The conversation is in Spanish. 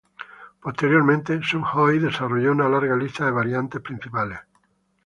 Posteriormente Sukhoi desarrolló una larga lista de variantes principales.